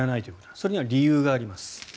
それには理由があります。